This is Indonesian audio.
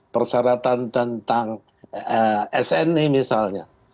persyaratan tentang sni misalnya